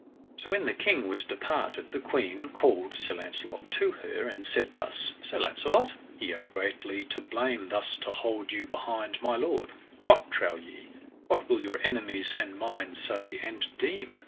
So when the king was departed the queen called Sir Launcelot to her, and said thus: Sir Launcelot, ye are greatly to blame thus to hold you behind my lord; what, trow ye, what will your enemies and mine say and deem?